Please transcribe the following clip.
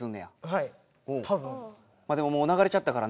はい。